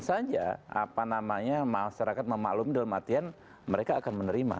bisa saja apa namanya masyarakat memaklumi dalam artian mereka akan menerima